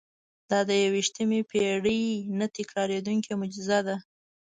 دا د یوویشتمې پېړۍ نه تکرارېدونکې معجزه ده.